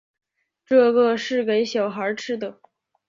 这个是给小孩吃的